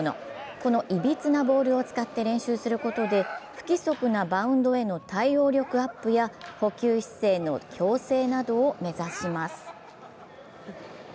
このいびつなボールを使って練習することで不規則なバウンドへの対応力アップや捕球姿勢の矯正などを目指します。